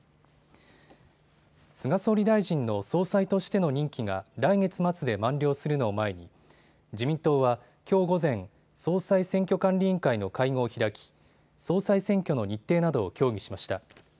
菅総理大臣の総裁としての任期が来月末で満了するのを前に自民党はきょう午前、総裁選挙管理委員会の会合を開き総裁選挙の日程などを協議しました。